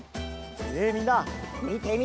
ねえみんなみてみて！